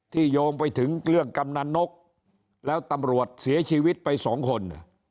โยงไปถึงเรื่องกำนันนกแล้วตำรวจเสียชีวิตไปสองคน